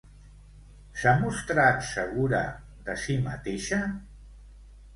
S'ha mostrat segura de si mateixa?